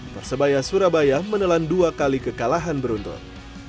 persebaya surabaya menelan dua kali kekalahan beruntun